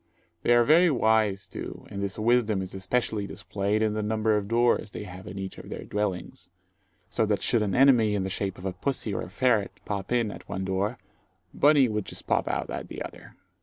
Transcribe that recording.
They are very wise too, and this wisdom is especially displayed in the number of doors they have in each of their dwellings; so that should an enemy, in the shape of a pussy, or a ferret, pop in at one door, Bunny would just pop out at the other.